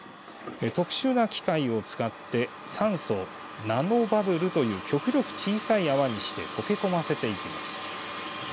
特殊な機械を使って酸素をナノバブルという極力小さい泡にして溶け込ませています。